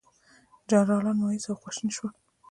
جنرالان مأیوس او خواشیني شول.